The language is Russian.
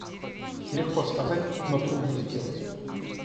Легко сказать, но трудно сделать.